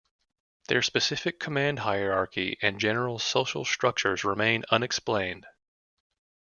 Their specific command hierarchy and general social structures remain unexplained.